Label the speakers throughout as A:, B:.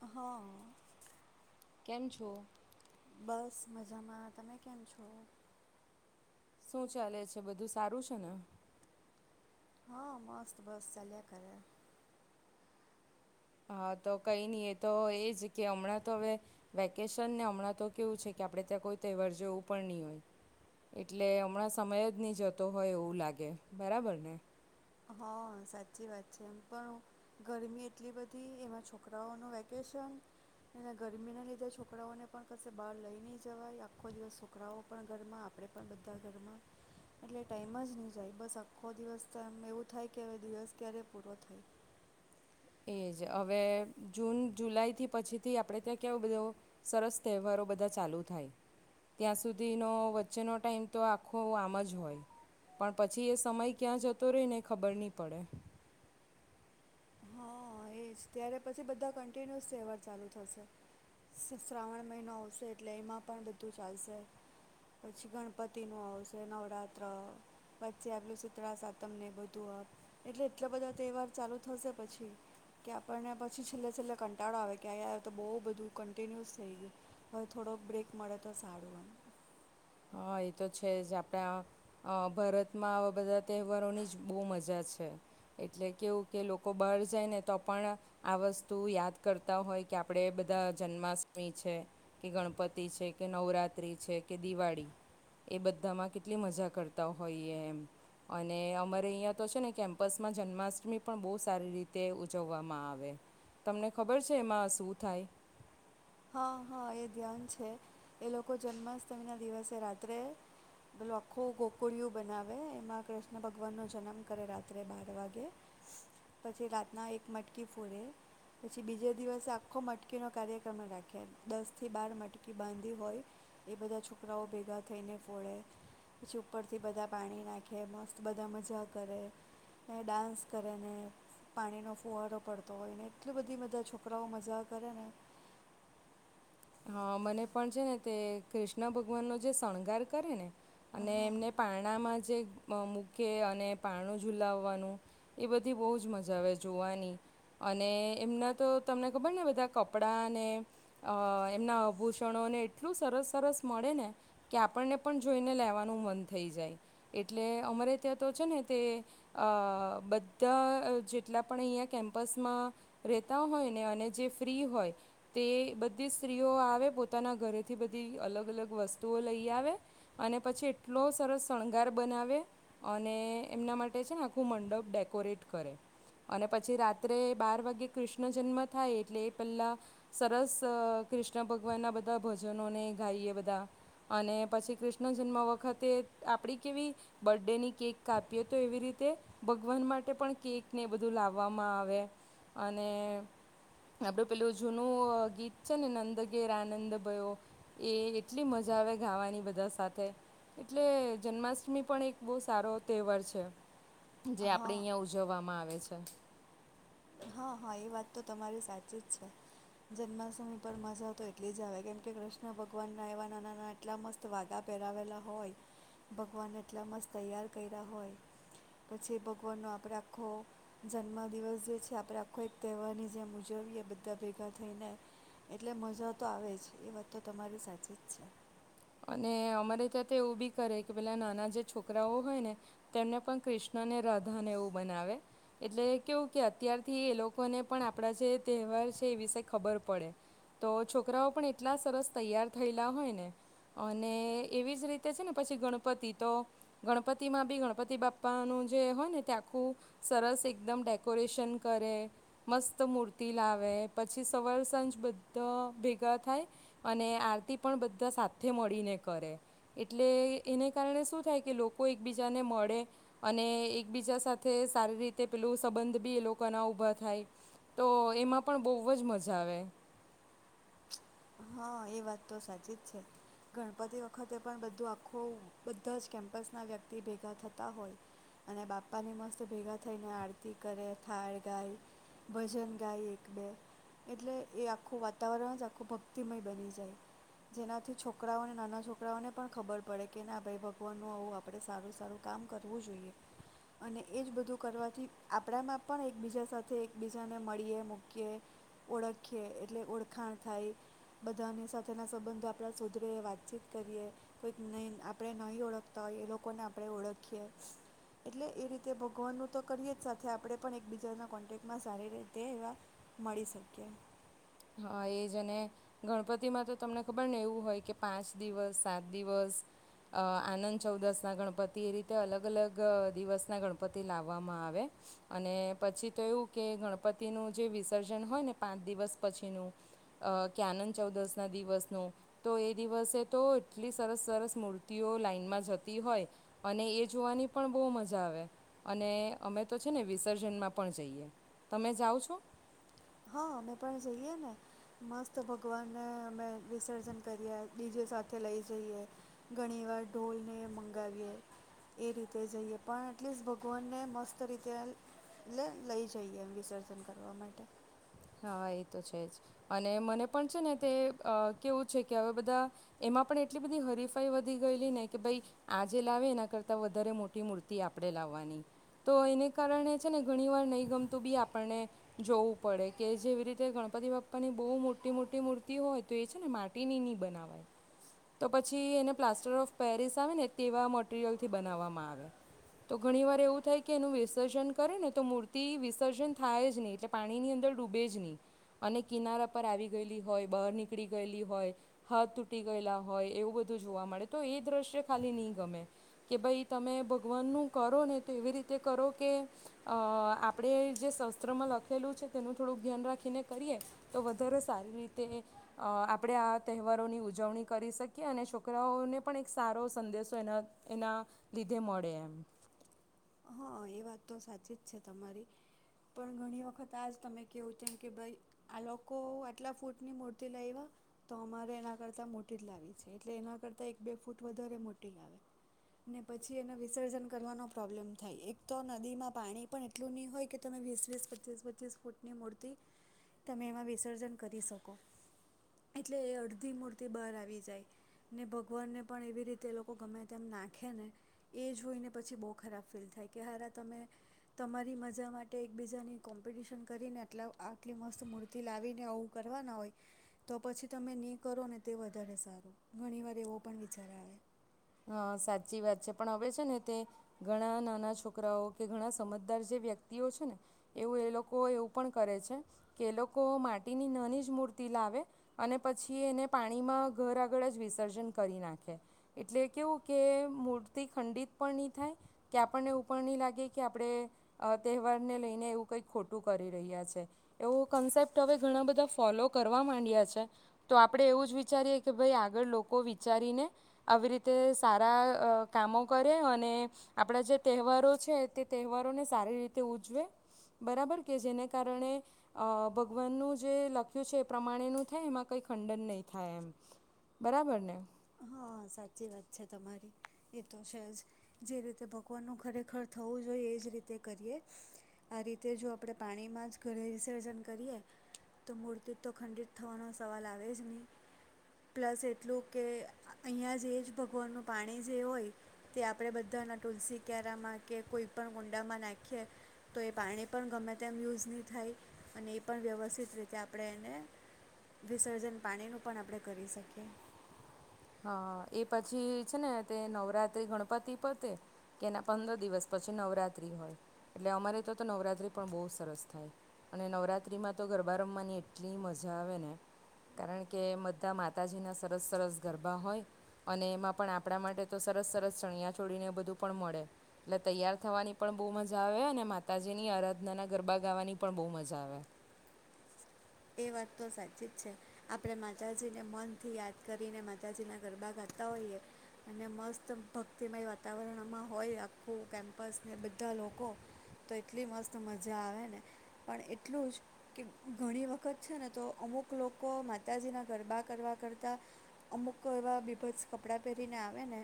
A: હા
B: કેમ છો?
A: બસ મજામાં. તમે કેમ છો?
B: શું ચાલે છે? બધું સારું છે ને?
A: હા, મસ્ત! બસ ચાલ્યા કરે.
B: હા, તો કંઈ નહી. એ તો એજ કે હમણાં તો હવે વેકેશન. ને હમણાં તો કેવું છે કે આપણેે ત્યાં કોઈ તહેવાર જેવું પણ ની હોય. એટલે હમણાં સમય જ ની જતો હોય એવું લાગે, બરાબર ને?
A: હા, સાચી વાત છે. એમ પણ ગરમી એટલી બધી. એમાં છોકરાઓનું વેકેશન. અને ગરમીના લીધે છોકરાઓને પણ કશે બહાર લઈ નહીં જવાય. આખો દિવસ છોકરાઓ પણ ઘરમાં, આપણે પણ બધા ઘરમાં, એટલે ટાઈમ જ નહીં જાય. બસ આખો દિવસ તો એમ એવું થાય કે હવે દિવસ ક્યારે પૂરો થાય.
B: એ જ. હવે જૂન જુલાઈથી પછીથી આપણે ત્યાં કેવું બધું, સરસ તહેવારો બધા ચાલુ થાય. ત્યાં સુધીનો વચ્ચેનો ટાઈમ તો આખો આમ જ હોય. પણ પછી એ સમય ક્યાં જતો રહેને, એ ખબર ની પડે.
A: હા એ જ. ત્યારે પછી બધા કન્ટિન્યુઅસ તહેવાર ચાલુ થશે. શ્રાવણ મહિનો આવશે, એટલે એમાં પણ બધું ચાલશે. પછી ગણપતિનું આવશે, નવરાત્ર. પછી આ પેલું શીતળા સાતમને એ બધું, આપ. એટલે એટલા બધા તહેવાર ચાલુ થશે પછી કે આપણને પછી છેલ્લે છેલ્લે કંટાળો આવે કે, આ યાર આ તો બહુ બધું કન્ટિન્યુસ થઈ ગયું, હવે થોડોક બ્રેક મળે તો સારું એમ.
B: હા, એ તો છે જ. આપણા ભારતમાં આવા બધા તહેવારોની જ બહુ મજા છે. એટલે કેવું કે લોકો બહાર જાય ને તો પણ આ વસ્તુ યાદ કરતા હોય, કે આપણે બધા જન્માષ્ટમી છે, કે ગણપતિ છે, કે નવરાત્રિ છે, કે દિવાળી એ બધામાં કેટલી મજા કરતા હોઈએ એમ. અને અમારે અહીંયા તો છે ને કેમ્પસમાં જન્માષ્ટમી પણ બહુ સારી રીતે ઉજવવામાં આવે. તમને ખબર છે એમાં શું થાય?
A: હા હા. એ ધ્યાન છે. એ લોકો જન્માષ્ટમીના દિવસે રાત્રે પેલું આખું ગોકુળિયું બનાવે. એમાં કૃષ્ણ ભગવાનનો જનમ કરે રાત્રે બાર વાગે. પછી રાતના એક મટકી ફોરે, પછી બીજે દિવસે આખો મટકીનો કાર્યક્રમ રાખે દસથી બાર મટકી બાંધી હોય. એ બધા છોકરાઓ ભેગા થઈને ફોડે. પછી ઉપરથી બધા પાણી નાખે, મસ્ત બધા મજા કરે, ને ડાન્સ કરે ને, પાણીનો ફુવારો પડતો હોય. ને એટલી બધી બધા છોકરાઓ મજા કરે ને!
B: હા મને પણ છે ને, તે કૃષ્ણ ભગવાનનો જે શણગાર કરે ને અને
A: હા
B: એમને પારણામાં જ જે મૂકે અને પારણું ઝુલાવવાનું, એ બધી બહુ જ મજા આવે જોવાની. અને એમના તો તમને ખબર ને બધા કપડાને એમના આભૂષણોને એટલું સરસ સરસ મળે ને, કે આપણને પણ જોઈને લેવાનું મન થઈ જાય. એટલે અમારે ત્યાં તો છે ને, તે બધા જેટલા પણ અહીંયા કેમ્પસમાં રહેતા હોય ને, અને જે ફ્રી હોય તે બધી સ્ત્રીઓ આવે પોતાના ઘરેથી બધી અલગ અલગ વસ્તુઓ લઈ આવે, અને પછી એટલો સરસ શણગાર બનાવે. અને એમના માટે છે ને આખું મંડપ ડેકોરેટ કરે. અને પછી રાત્રે બાર વાગે કૃષ્ણ જન્મ થાય એટલે એ પહેલાં સરસ કૃષ્ણ ભગવાનના બધા ભજનો ને એ ગાઈએ બધા. અને પછી કૃષ્ણ જન્મ વખતે આપણી કેવી બર્થ ડેની કેક કાપીએ, તો એવી રીતે ભગવાન માટે પણ કેકને એવું બધું લાવવામાં આવે, અને આપડું પેલું જૂનું ગીત. છે ને, નંદ ઘેર આનંદ ભયો, એ એટલી મજા આવે ગાવાની બધા સાથે. એટલે જન્માષ્ટમી પણ એક બહુ સારો તહેવાર છે. જે આપડે
A: હા
B: અહિયાં ઉજવવામાં આવે છે. અચ્છા.
A: હા હા એ વાત તો તમારી સાચી જ છે જન્માષ્ટમી પર મજા તો એટલી જ આવે કેમકે કૃષ્ણ ભગવાનના એવા નાનાના એટલા મસ્ત વાદા પહેરાવેલા હોય ભગવાન એટલા મસ્ત તૈયાર કર્યા હોય પછી ભગવાનનો આપણે આખો જન્મદિવસ જે છે. આપણે આખો એક તહેવારની જેમ ઉજવીએ બધા ભેગા થઈને એટલે મજા તો આવે જ એ વાત તો તમારી સાચી જ છે.
B: અને અમારે ત્યાં તો એવું બી કરે કે પેલા નાના જે છોકરાઓ હોય ને તેમને પણ કૃષ્ણને રાધાને એવું બનાવે એટલે કેવું કે અત્યારથી એ લોકોને પણ આપણા જે તહેવાર છે એ વિશે ખબર પડે તો છોકરાઓ પણ એટલા સરસ તૈયાર થયેલા હોય ને. અને એવી જ રીતે છે ને પછી ગણપતિ તો ગણપતિમાં બી ગણપતિ બાપાનું જે હોય ને તે આખું સરસ એકદમ ડેકોરેશન કરે મસ્ત મૂર્તિ લાવે પછી સવાર સાંજ બધા ભેગા થાય અને આરતી પણ બધા સાથે સાથે મળીને કરે એટલે એને કારણે શું થાય કે લોકો એકબીજાને મળે અને એકબીજા સાથે સારી રીતે પેલું સંબંધ બી એ લોકોના ઉઊભા થાય તો એમાં પણ બહુ જ મજા આવે.
A: હા એ વાત તો સાચી જ છે ગણપતિ વખતે પણ બધું આખું બધા જ કેમ્પસ ના વ્યક્તિ ભેગા થતા હોય અને બાપાની મસ્ત ભેગા થઈને આરતી કરે થાળ ગાય ભજન ગાય એક બે એટલે એ આખું વાતાવરણ ખૂ ભક્તિમય બની જાય જેનાથી છોકરાઓને નાના છોકરાઓને પણ ખબર પડે કે ના ભાઈ ભગવાનનું આવું આપણે સારું સારું કામ કરવું જોઈએ અને એ જ બધું કરવાથી આપણામાં પણ એકબીજા સાથે એકબીજાને મળીએ મૂકીએ ઓળખીએ એટલે ઓળખાણ થાય બધાની સાથેના સંબંધો આપણે સુધરીએ વાતચીત કરીએ કોઈક નહીં આપણે નહીં ઓળખતા હોય એ લોકોને આપણે ઓળખીએ એટલે એ રીતે ભગવાનનું તો કરીએ જ સાથે આપણે પણ એકબીજાના કોન્ટેક્ટમાં સારી રીતે એવા મળી શકીએ.
B: હા એ જ અને ગણપતિમાં તો તમને ખબર ને એવું હોય કે પાંચ દિવસ સાત દિવસ આનંદ ચૌદસના ગણપતિ એ રીતે અલગ અલગ દિવસના ગણપતિ લાવવામાં આવે અને પછી તો એવું કે ગણપતિનું જે વિસર્જન હોય ને પાંચ દિવસ પછીનું ક્યાનંદ ચૌદશના દિવસનું તો એ દિવસે તો એટલી સરસ સરસ મૂર્તિઓ લાાઈનમાં જતી હોય અને એ જોવાની પણ બહુ મજા આવે અને અમે તો છે ને વિસર્જનમાં પણ જઈએ તમે જાઓ છો.
A: હા અમે પણ જઈએ ને મસ્ત ભગવાનને અમે વિસર્જન કરીએ બીજે સાથે લઈ જઈએ ઘણીવાર ઢોલને મંગાવીએ એ રીતે જઈએ પણ એટલીસ્ટ ભગવાનને મસ્ત રીતે લઈ જઈએ વિસર્જન કરવા માટે
B: હા એ તો છે જ અને મને પણ છે ને તે કેવું છે કે હવે બધા એમાં પણ એટલી બધી હરીફાઈ વધી ગયેલી ને કે ભાઈ આજે લાવે એના કરતા વધારે મોટી મૂર્તિ આપણે લાવવાની તો એને કારણે છે ને ઘણી વાર નહી ગમતું બી આપણને જોવું પડે. કે જેવી રીતે ગણપતિ બાપ્પાની બહુ મોટી મોટી મૂર્તિ હોય તો એ છે ને માટીની નની બનાવાય તો પછી એને પ્લાસ્ટર ઓફ પેરિસ આવે ને તેવા મટરિયલથી બનાવવામાં આવે તો ઘણી વાર એવું થાય કે એનું વિસર્જન કરે ને તો મૂર્તિ વિસર્જન થાય જ નહીં એટલે પાણીની અંદર ડૂબે જ નહી અને કિનારા પર આવી ગયેલી હોય બહાર નીકળી ગયેલી હોય હથ તૂટી ગયેલા હોય એવું બધું જોવા મળે તો એ દ્રશ્ય ખાલી નહી ગમે કે ભાઈ તમે ભગવાનનું કરો ને તો એવી રીતે કરો કે અ આપણે જે શસ્ત્રમાં લખેલું છે. તેનું થોડુંક ધ્યાન રાખીને કરીએ તો વધારે સારી રીતે આપણે આ તહેવારોની ઉજવણી કરી શકીએ અને છોકરાઓને પણ એક સારો સંદેશો એના એના લીધે મળે એમ.
A: હા એ વાત તો સાચી જ છે તમારી પણ ઘણી વખત આજ તમે કેવું તેમમ કે ભાઈ આ લોકો આટલા ફૂટની મૂર્તિ લાવવા તો અમારે એના કરતાં મોટી જ લાવી છે એટલે એના કરતાં એક બે ફૂટ વધારે મોટી લાવે ને પછી એને વિસર્જન કરવાનો પ્રોબ્લેમ થાય એક તો નદીમાં પાણી પણ એટલું નહી હોય કે તમે વીસ વીસ પચીસ પચીસ ફૂટની મૂર્તિ તમે એમાં વિસર્જન કરી શકો એટલે એ અડધી મૂર્તિ બહાર આવી જાય ને ભગવાનને પણ એવી રીતે એ લોકો ગમે તેમ નાખે ને એ જોઈને પછી બહુ ખરાબ ફીલ થાય કે હાર તમે તમારી મજા માટે એકબીજાની કોમ્પિટિશન કરીનેટ આટલી મસ્ત મૂર્તિ લાવીને આવું કરવાના હોય તો પછી તમે ને કરો ને તે વધારે સારું ઘણી વાર એવો પણ વિચાર આવે.
B: હ સાચી વાત છે પણ હવે છે ને તે ઘણા નાના છોકરાઓ કે ઘણા સમજદાર જે વ્યક્તિઓ છે ને એવું એ લોકો એવું પણ કરે છે કે એ લોકો માટીની નાની જ મૂર્તિ લાવે અને પછી એને પાણીમાં ઘર આગળ જ વિસર્જન કરી નાખે એટલે કેવું કે મૂર્તિ ખંડિત પણ નહી થાય કે આપણને એવું પણ નહી લાગે કે આપણે તહેવારને લઈને એવું કંઈક ખોટું કરી રહ્યા છે એવો કન્સેપ્ટ હવે ઘણા બધા ફોલો કરવા માંડ્યા છે તો આપણે એવું જ વિચારીએ કે ભાઈ આગળ લોકો વિચારીને આવી રીતે તે સારા કામો કરે અને આપણા જે તહેવારો છે તે તહેવારોને સારી રીતે ઉજવે બરાબર કે જેને કારણે અ ભગવાનનું જે લખ્યું છે એ પ્રમાણેનું થાય એમાં કઈ ખંડન નહીં થાય એમ બરાબર ને.
A: હા સાચી વાત છે તમારી એ તો છે જ જે રીતે ભગવાનનું ખરેખર થવું જોઈએ એજ રીતે કરીએ આ રીતે જો આપણે પાણીમાં જ ઘરે વિસર્જન કરીએ તો મૂર્તિ તો ખંડિત થવાનો સવાલ આવે જ નહી પ્લસ એટલું કે અહીંયા જે જ ભગવાનનું પાણી જે હોય તે આપણે બધાના તુલસી ક્યારામાં કે કોઈ પણ ગુંડામાં નાખીએ તો એ પાણી પણ ગમે તેમ યુઝ નહીં થાય અને એ પણ વ્યવસ્થિત રીતે આપણે એને વિસર્જન પાણીનું પણ આપણે કરી શકીએ.
B: હા એ પછી છે ને તે નવરાત્રી ગણપતિ પરતે કે એના પંદર દિવસ પછી નવરાત્રી હોય એટલે અમારે તો તો નવરાત્રી પણ બહુ સરસ થાય અને નવરાત્રીમાં તો ગરબા રમવાની એટલી મજા આવે ને કારણ કે બધા માતાજીના સરસ સરસ. ગરબા હોય અને એમાં પણ આપણા માટે તો સરસ સરસ ચણિયા છોડીને બધું પણ મળે એટલે તૈયાર થવાની પણ બહુ મજા આવે અને માતાજીની આરાધના ના ગરબા ગાવાની પણ બહુ મજા આવે.
A: એ વાત તો સાચી જ છે આપણે માતાજીને મનથી યાદ કરીને માતાજીના ગરબા ગાતા હોઈએ અને મસ્ત ભક્તિમય વાતાવરણમાં હોય આખું કેમ્પસને બધા લોકો તો એટલી મસ્ત મજા આવે ને પણ એટલું જ કે ઘણી વખત વખત છે ને તો અમુક લોકો માતાજીના ગરબા કરવા કરતાં અમુક એવા બીભત્સ કપડાં પહેરીને આવે ને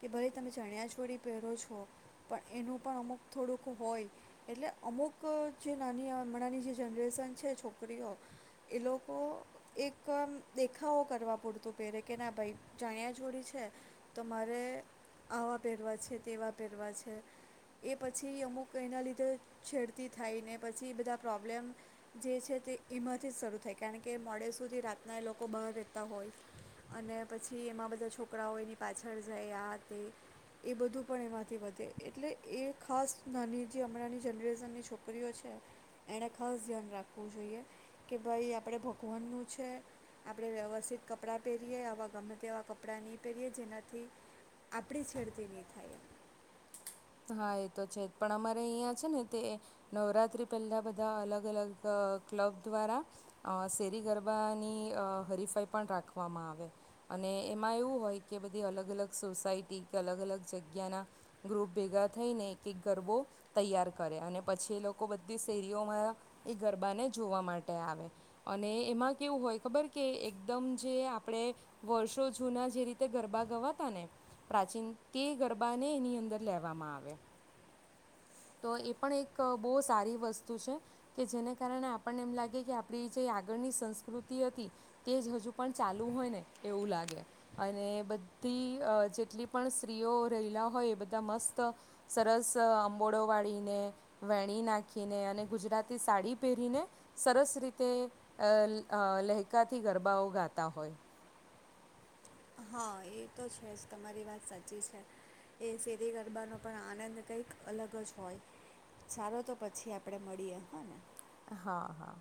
A: કે ભાઈ તમે ચણિયા છોડી પહેરો છો પણ એનું પણ અમુક થોડુંક હોય એટલે અમુક જે નાની હમણાંની જે જનરેશન છે છોકરી છોકરીઓ એ લોકો એક દેખાવો કરવા પૂરતું પહેરે કે ના ભાઈ જાણ્યા જોડી છે તો મારે આવા પહેરવા છે તેવા પહેરવા છે એ પછી અમુક એના લીધે છેડતી થાય ને પછી બધા પ્રોબ્લેમ જે છે. તે એમાંથી જ શરૂ થાય કારણ કે મોડે સુધી રાતના એ લોકો બહાર રહેતા હોય અને પછી એમાં બધા છોકરાઓ એની પાછળ જાય આ તે એ બધું પણ એમાંથી વધે એટલે એ ખાસ નાની જે હમણાંની જનરેશનની છોકરીઓ છે એણે ખાસ ધ્યાન રાખવું. જોએ કે ભાઈ આપણે ભગવાનનું છે આપણે વ્યવસ્થિત કપડાં પહેરીએ આવા ગમે તે એવાં કપડાં નહીં પહેરીએ જેનાથી આપણી છેડતી નહીં થાય એમ.
B: હા એ તો છે જ પણ અમારે અહીંયા છે ને તે નવરાતિ પહેલા બધા અલગ અલગ ક્લબ દ્વારા શેરી ગરબાની હરીફાઈ પણ રાખવામાં આવે અને એમાં એવું હોય કે બધી અલગ અલગ સોસાયટી કે અલગ અલગ જગ્યાના ગ્રુપ ભેગા થઈને એક એક ગરબો તૈયાર કરે અને પછી એ લોકો બધી શેરીઓમાં એ ગરબાને જોવા માટે આવે અને એમાં કેવું હોય ખબર કે એકદમ જે આપણે વર્ષો જૂના જે રીતે ગરબા ગવાતા ને પ્રાચીન તે ગરબાને એની અંદર લેવામાં આવે તો એ પણ એક બહુ સારી વસ્તુ છે કે જેને કારણે આપણને એમ લાગે કે આપડી જે આગળની સંસ્કૃતિ હતી તે જ હજુ પણ ચાલુ હોય ને એવું લાગે અને બધી જેટલી પણ સ્ત્રીઓ રહેલા હોય મસ્ત સરસ આંબોળો વાળીને વેણી નાખીને અને ગુજરાતી સાડી પહેરીને સરસ રીતે લહેકાથી ગરબાઓ ગાતા હોય.
A: હા એ તો છે જ તમારી વાત સાચી છે એ શેરી ગરબાનો પણ આનંદ કંઈક અલગ જ હોય સારો તો પછી આપણે મળીએ હા ને.
B: હા હા.